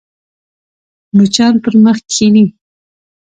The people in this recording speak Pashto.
مچان پر مخ کښېني